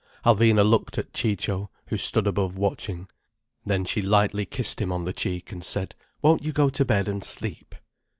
Alvina looked at Ciccio, who stood above, watching. Then she lightly kissed him on the cheek, and said: "Won't you go to bed and sleep?"